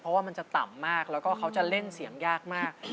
เพราะว่ามันจะต่ำมากแล้วก็เขาจะเล่นเสียงยากมาก